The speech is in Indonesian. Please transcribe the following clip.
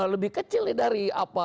lebih kecil dari apa